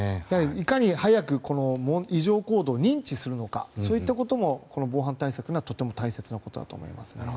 いかに早く異常行動を認知するのかといったこともこの防犯対策にはとても大切なことだと思います。